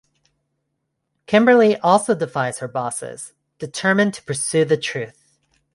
Kimberly also defies her bosses, determined to pursue the truth.